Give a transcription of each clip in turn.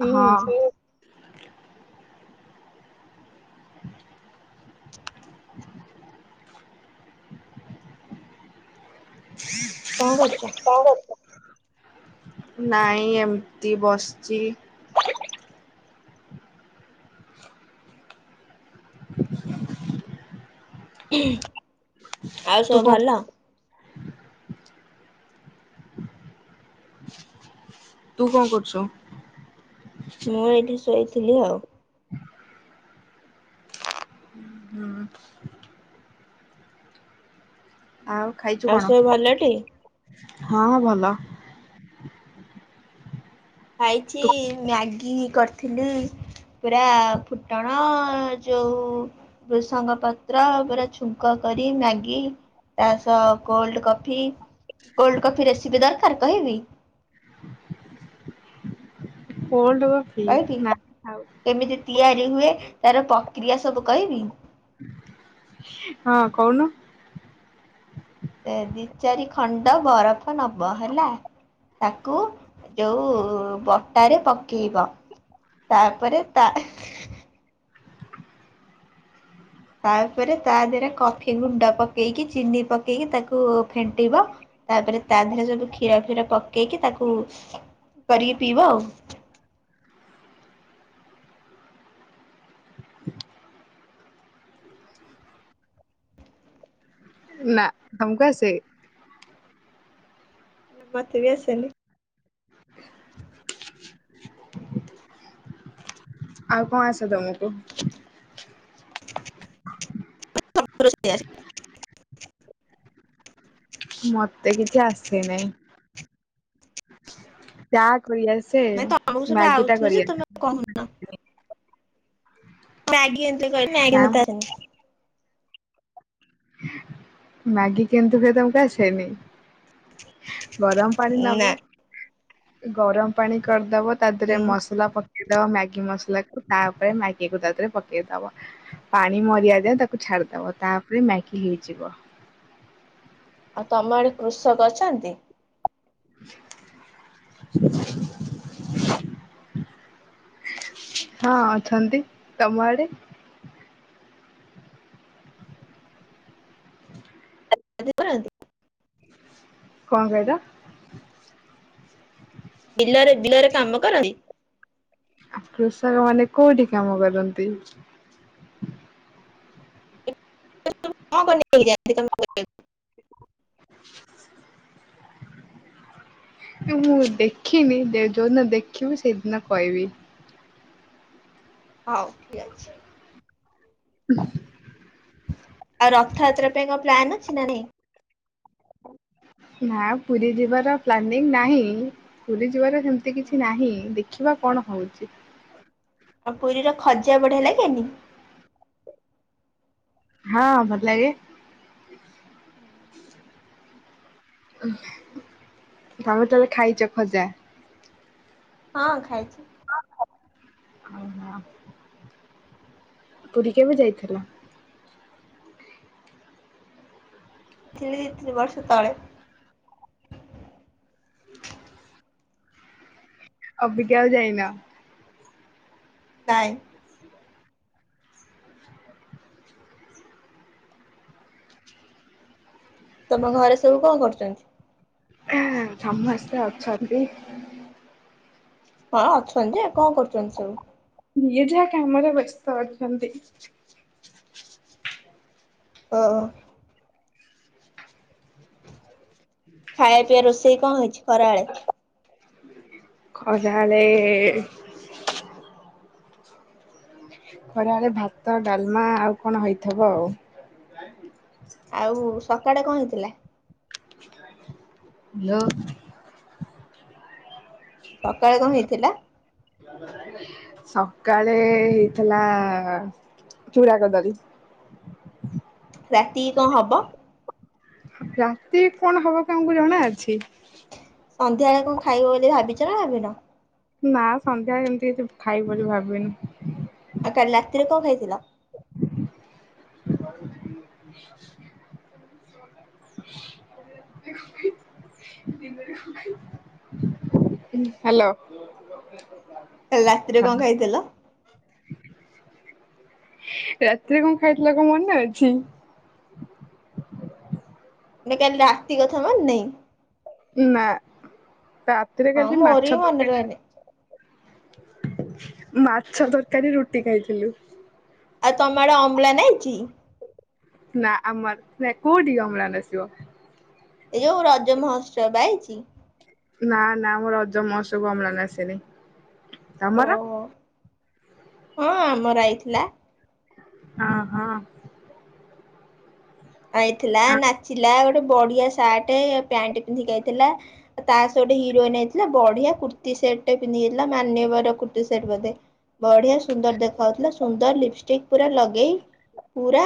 ହୁଁ ହଁ। [inaudible] କଣ କରୁଚ? ନାଇଁ ଏମିତି ବସିଛି। ଆଉ ତୁ ସବୁ କଣ ଭଲ। ତୁ କଣ କରୁଛୁ? ମୁଁ ଏଇଠି ଶୋଇଥିଲି ଆଉ। ହୁଁ। ଆଉ ଖାଇ ଆଉ ସବୁ ଭଲ ଟି। ହଁ ଭଲ। ଖାଇଛି ତୁ ମ୍ୟାଗି କରିଥିଲି। ପୁରା ଫୁଟଣ ଯୋଉ ଭୃସଙ୍ଗ ପତ୍ର ପୁରା ଛୁଙ୍କ କରି ମ୍ୟାଗି ତା ସହ cold coffee cold coffee recipe ଦରକାର କହିବି। କୋଲ୍ଡ କଫି କହିବି ନା ଆଉ କେମିତି ତିଆରି ହୁଏ ତାର ପକ୍ରିୟା ସବୁ କହିବି। ହଁ କହୁନୁ। ଦି ଚାରି ଖଣ୍ଡ ବରଫ ନବ ହେଲା। ତାକୁ ଯୋଉ ବଟାରେ ପକେଇବ। ତାପରେ ତା ତାପରେ ତା ଦେହରେ କଫି ଗୁଣ୍ଡ ପକେଇକି ଚିନି ପକେଇକି ତାକୁ ଫେଣ୍ଟିବ। ତାପରେ ତା ଦେହରେ ସବୁ କ୍ଷୀର ଫୀର ପକେଇକି ତାକୁ କରିକି ପିଇବା ଆଉ। ନା ଆମକୁ ଆସେ। ମତେ ବି ଆସେନି। ଆଉ କଣ ଆସେ ତମକୁ? ସବ୍ କର ସେ ଆସେ। ମତେ କିଛି ଆସେ ନାଇଁ। ଚା କରିଆସେ ନାଇଁ ତମକୁ ସବୁ ମ୍ୟାଗିଟା ଆଉଥିବ ଯେ କରିଆ ତମେ କହୁନ। ମ୍ୟାଗି ଏନ୍ତି କଇ ମ୍ୟାଗି ନା ମତେ ଆସେନି। ମାଗି କେନ୍ତି ହୁଏ ତମୁକୁ ଆସେନି ଗରମ ପାଣି ନା ନବ ଗରମ ପାଣି କରିଦବ ତା ଦେରେ ଉଁ। ମସଲା ପ ଇଦବ ମ୍ୟାଗି ମସଲାକୁ ତାପରେ ମ୍ୟାଗିକୁ ଦେରେ ପକେଇଦବ। ପାଣି ମରିିବା ଯାଏ ତାକୁ ଛାଡ଼ିଦବ ତାପରେ ମ୍ୟାଗି ହେଇଯିବ। ଆଉ ତମ ଆଡ଼େ କୃଷକ ଅଛନ୍ତି? ହଁ ଅଛନ୍ତି, ତମ ଆଡ଼େ? ଆଦି କରନ୍ତି। କଁ କଇଲ? ବିଲରେ ବିଲରେ କାମ କରନ୍ତି? ଆ କୃଷକମାନେ କୋଉଠି କାମ କରନ୍ତି? [inaudible] କଁ କଁ ନେଇକି ଯାଆନ୍ତି ତମୁ। [inaudible] ଏ ମୁଁ ଦେଖିନି ଯେ ଯୋଉ ଦିନ ଦେଖିମି ସେଇଦିନ କଇବି। ହଉ ଠିକ୍ ଅଛି। ଉଃ। ଆଉ ରଥଆତ୍ରା ପାଇଁ କଁ ପ୍ଲାନ୍ ଅଛି ନା ନାହିଁ? ନାଁ ପୁରୀ ଯିବାର ପ୍ଲାନିଂ ନାହିଁ ପୁରୀ ଯିବାର ହେମତି କିଛି ନାହିଁ ଦେଖିବା କଣ ହଉଚି। ଆଉ ପୁରୀର ଖଜା ବଢ଼ିଆ ଲାଗେନି? ହଁ ଭଲ୍ ଲାଗେ। ହଁ ତମେ ତାଲେ ଖାଇଚ ଖଜା? ହଁ ଖାଇଚି। ଓହୋ। ପୁରୀ କେବେ ଯାଇଥିଲା? ଥିଲି ଦି ତିନି ବର୍ଷ ତଳେ। ଅବିକା ଆଉ ଯାଇନ? ନାଇଁ। ତମ ଘରେ ସବୁ କଁ କରୁଚନ୍ତି? ଆଉ ସମସ୍ତେ ଅଛନ୍ତି। ହଁ ଅଛନ୍ତି ଯେ କଁ କରୁଚନ୍ତି ସବୁ? ଯିଏ ଯାହା କାମରେ ବ୍ୟସ୍ତ ଅଛନ୍ତି। ଓ। ହୁଁ। ଖାଇବା ପିଇବା ରୋଷେଇ କଁ ହେଇଚି ଖରାଅଳେ? ଖରାଳେ ଖରାଏଳେ ଭାତ ଡାଲମା ଆଉ କଣ ହେଇଥବ ଉ। ଆଉ ସକାଳେ କଁ ହେଇଥିଲା? [inaudible] ଲୋ। ସକାଳେ କଁ ହେଇଥିଲା? ସକାଳେ ହେଇଥିଲା ଚୂଡ଼ା କଦଳୀ। ରାତି କଁ ହବ? ରାତି କଣ ହବ କ ଆମୁକୁ ଜଣା ଅଛି? ସନ୍ଧ୍ୟାଏଳେ କଁ ଖାଇବ ବୋଲି ଭାବିଚ ନା ଭାବିନ? ନା ସନ୍ଧ୍ୟା ରେ ହେମିତି କିଛି ଖାଇବି ବୋଲି ଭାବିନି। ଆଉ କାଲି ରାତିରେ କଣ ଖାଇଥିଲା? [unintelligible] ହାଲୋ। କାଲି ରାତିରେ କଣ ଖାଇତେଲ? ରାତିରେ କଣ ଖାଇଥିଲା କଣ ମନେ ଅଛି। ନା କାଲି ରାତି କଥା ମନେ ନାଇଁ। ନା ରାତିରେ ହଁ କାଲି ମୋର ବି ମାଛ ମନେ ରହେନି। [unintelligible] ମାଛ ତରକାରୀ ରୁଟି ଖାଇଥିଲୁ। ଆଉ ତମ ଆଡେ ଅମ୍ଳାନ ଆଇଚି? ନା ଆମ ଆଡେ ନାଇଁ କୋଉଠି ଅମ୍ଳାନ ଆସିବ। ଏ ରଜ ମହୋତ୍ସବ ଆଇଚି। ନାଁ ନାଁ ଆମ ରଜ ମୋହୋତ୍ସବ କୁ ଅମ୍ଳାନ ଆସିନି ତମର? ଓହୋ ହଁ ଆମର ଆଇଥିଲା। ହଁ ହଁ। ଆଇଥିଲା ନାଚିଲା ଗୋଟେ ବଡିଆ ସାଟେ ପ୍ୟାଣ୍ଟ ପିନ୍ଧିକି ଆଇଥିଲା। ତା ସହ ଗୋଟେ ହିରୋଇନ୍ ଆଇଥିଲା ବଢିଆ କୁର୍ତ୍ତି ସେଟ୍ ଟେ ପିନ୍ଧିକି ଆଇ ଥିଲା ମାନ୍ୟବର କୁର୍ତ୍ତିୀ ସେଟ୍ ବୋଧେ? ବଢିଆ ସୁନ୍ଦର୍ ଦେଖାଯାଉଥିଲା ସୁନ୍ଦର୍ ଲିପଷ୍ଟିକ ପୁରା ଲଗେଇ ପୁରା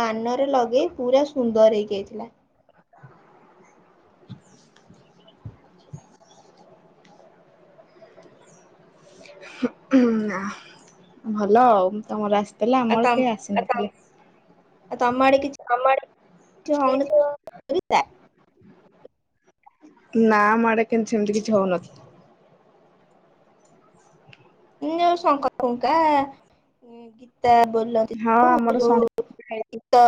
କାନରେ ଲଗେଇ ପୁରା ସୁନ୍ଦର ହେଇକି ଆଇଥିଲା [inaudible] [inaudible] ଆଉ ଭଲ ଅଉ ତମର ଆସିଥିଲା ଆଉ ଆମର ତମ କେହି ଆସିନଥିଲେ। ଆଉ ତମଆଡେ କିଛି ତମ ଆଡେ ହଉନି ଗୀତା [unintelligible] ନାଁ ଆଡେ କେମତି ସେମିତି କିଛି ହଉନ ଉଁ ଯଉ ଶଙ୍କ ଫୁଙ୍କା ଗୀତ ବୋଲନ୍ତି ହଁ ଉ ଆମର ଯଉ ଶଙ୍ଖ ଗୀତ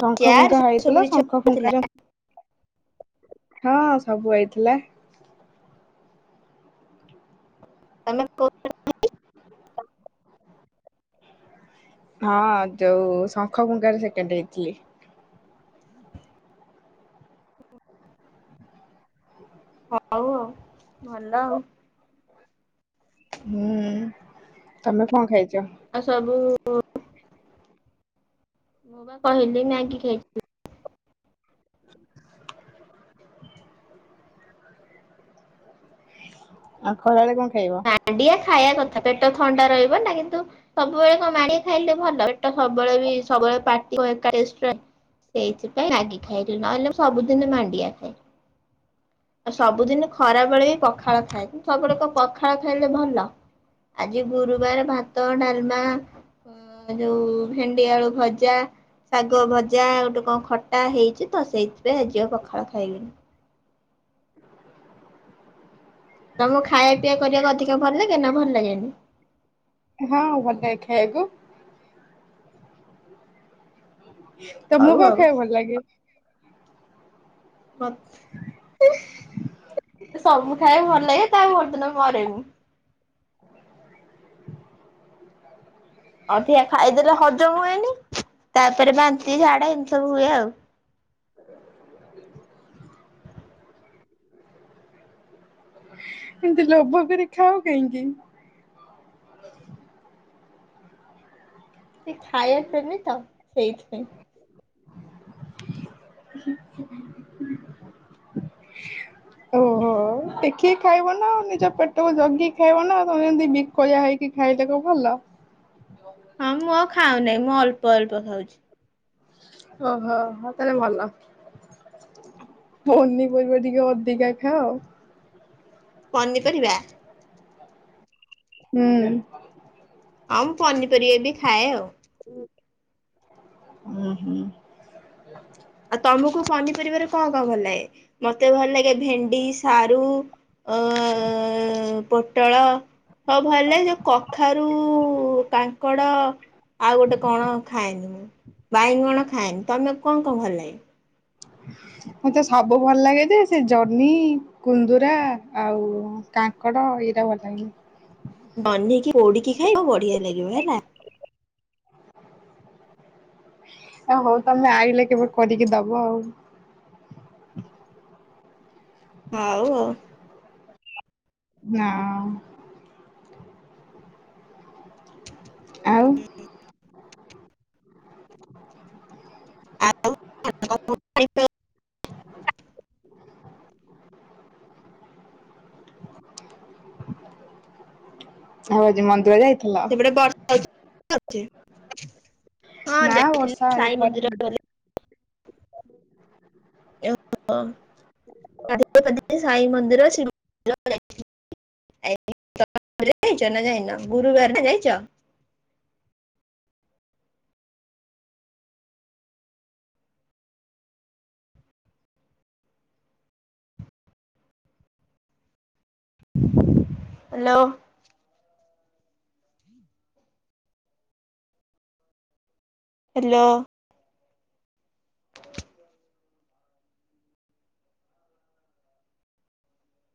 ଶଙ୍ଖ ଚେୟାର ଫୁଙ୍କା ସେ ସବୁ ହେଇଥିଲା କିଛି ଶଙ୍ଖ ହଉନଥିଲା ଫୁଙ୍କାରେ ହଁ ସବୁ ଆଇଥିଲା। ତମେ କ ହଁ ଯୋଉ ଶଙ୍ଖ ଫୁଙ୍ଗାରେ ସେକେଣ୍ଡ ହେଇଥିଲି। [unintelligible] ହଉ ଆଉ ଭଲ ଆଉ। ହୁଁ ତମେ କଣ ଖାଇଚ? ଆଉ ସବୁ ମୁଁ ବା କହିଲି ନାଇଁ କି ଖାଇଥି [inaudible] ଆଉ ଖରାବେଳେ କଣ ଖାଇବ? ମାଣ୍ଡିଆ ଖାଇବା କଥା ପେଟ ଥଣ୍ଡା ରହିବ ନା କିନ୍ତୁ ସବୁବେଳେ କଣ ମାଣ୍ଡିଆ ଖାଇଲେ ଭଲ ପେଟ ସବୁବେଳେ ବି ସବୁବେଳେ ପାଟି ଓଏକାଜିଟ୍ରା ସେଇଥିପାଇଁ ମାଗି ଖାଇଲି ନହେଲେ ମୁଁ ସବୁଦିନ ମାଣ୍ଡିଆ ଖାଏ। ଆଉ ସବୁଦିନ ଖରାବେଳେ ବି ପଖାଳ ଖାଏ କିନ୍ତ୍ ସବୁବେଳେ କଣ ପାଖ ପଖାଳ ଖାଇଲେ ଭଲ ଆଜି ଗୁରୁବାର ଭାତ, ଡାଲମା ଯୋଉ ଭେଣ୍ଡି ଆଳୁ ଭଜା ଶାଗ ଭଜା ଗୋଟେ କଣ ଖଟା ହେଇଛି ତ ସେଇଥିପାଇଁ ଆଜିି ଆଉ ପଖାଳ ଖାଇବିନି। ତମକୁ ଖାଇବା ପିଇବା କରିବାକୁ ଅଧିକ ଭଲ ଲାଗେ ନା ଭଲ ଲାଗେନି? ହଁ ଭଲଲାଗେ ଖାଇବାକୁ। ତମକୁ ହଉ କଣ ଖାଇବା କୁ ଭଲ ଲାଗେ? ବତ [inaudible] ସବୁ ଖାଇବା ଭଲ ଲାଗେ ତା ଭରଦିନ ମରେ ମୁଁ। ଅଧିକା ଖାଇଦେଲେ ହଜମ ହୁଏନି ତାପରେ ବାନ୍ତି, ଝାଡା ଏମତି ସବୁ ହୁଏ ଆଉ। ଏମତି ଲୋଭ କରିଖାଅ କାହିଁକି? ସେ ଖାଇଆସେନି ତ ସେଇଥିପାଇଁ। [inaudible] ଓହୋ ଦେଖିକି ଖାଇବ ନା ନିଜ ପେଟକୁ ଜଗି ଖାଇବ ନା ତମେ ଯେମିତି ବି ଖୟା ହେଇକି ଖାଇ ଦେକୁ କଣ ଭଲ? ହଁ ମୁଁ ଖାଉ ନାହିଁ ମୁଁ ଅଳ୍ପ ଅଳ୍ପ ଖାଉଛି। ଓହୋ ହ ତାଲେ ଭଲ। ପନିପରିବା ଟିକେ ଅଧିକା ଖାଅ। ପନି ପରିବା? ହୁଁ। ହଁ ମୁଁ ପନିପରିବା ବି ଖାଏ ଆଉ। ଊ ହୁଁ। [inaudible] ଆଉ ତମକୁ ପନିପରିବାରେ କଣ କଣ ଭଲ ଲାଗେ? ମତେ ଭଲ ଲାଗେ ଭେଣ୍ଡି, ସାରୁ ଅ ଏ ଏ ପୋଟଳ ହଁ ଭଲ ଯୋଉ କଖାରୁ, କାଙ୍କଡ ଆଉ ଗୋଟେ କଣ ଖାଏନି ମୁଁ ବାଇଗଣ ଖାଏନି? ତମେ କଣ କଣ ଭଲ ଲାଗେ? ମୋତେ ସବୁ ଭଲ ଲାଗେ ଯେ ସେ ଜହ୍ନି, କୁନ୍ଦୁରା ଆଉ କାଙ୍କଡ ଏଇରା ଭଲଲାଗେନି। ବହ୍ନେଇକି ପୋଡିକି ଖାଇବା ବଢିଆ ଲାଗିବ ହେଲା। ହଉ ତମେ ଆଇଲେ କେବେ କରିକି ଦବ ଆଉ। ହଉ ହଉ। ନାଁ। ଆଉ। [inaudible] [unintelligible] [inaudible] ଆଉ ଆଜି ମନ୍ଦିର ଯାଇଥିଲ। [unintelligible] ହଁ ନା ଯାଇଥିଲି ବର୍ଷା ସାଇ ହେଇନି ମନ୍ଦିର ଖରା ଗଲି। [unintelligible] [unintelligible] ହ୍ୟାଲୋ। ହ୍ୟାଲୋ।